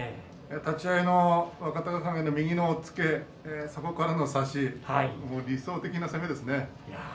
立ち合いの若隆景の右の押っつけ、そこからの差し理想的な攻めですね。